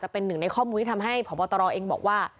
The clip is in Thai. เป็นหนึ่งในข้อมูลที่ทำให้พบตรเองบอกว่า